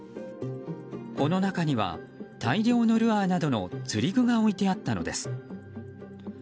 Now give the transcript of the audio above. この中には大量のルアーなどの釣り具が置いてあったのです。